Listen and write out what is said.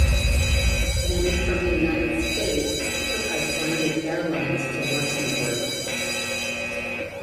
Many from the United States took Icelandic Airlines to Luxembourg.